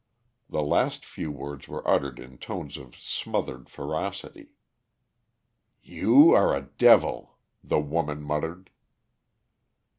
The last few words were uttered in tones of smothered ferocity. "You are a devil," the woman muttered.